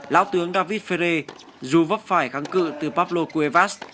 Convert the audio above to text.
lão tướng david ferre dù vấp phải kháng cự từ pablo cuevas